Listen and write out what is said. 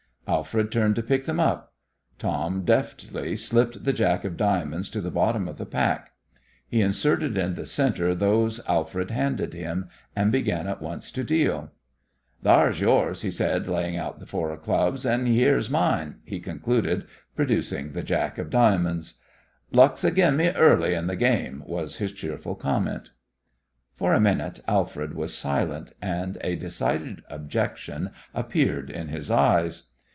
Alfred turned to pick them up. Tom deftly slipped the jack of diamonds to the bottom of the pack. He inserted in the centre those Alfred handed him, and began at once to deal. "Thar's yore's," he said, laying out the four of clubs, "an' yere's mine," he concluded, producing the jack of diamonds. "Luck's ag'in me early in th' game," was his cheerful comment. For a minute Alfred was silent, and a decided objection appeared in his eyes.